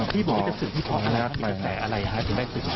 พี่บอกว่าจะสึกที่เพราะอะไรมีกระแสอะไรครับถูกได้สึกครับ